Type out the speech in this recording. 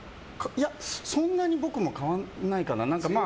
そんなに僕も変わんないかな。